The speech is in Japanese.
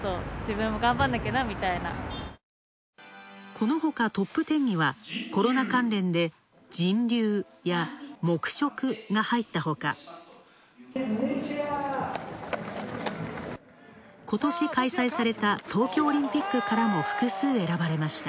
このほかトップ１０には、コロナ関連で、人流や黙食が入ったほか、今年開催された東京オリンピックからも複数選ばれました。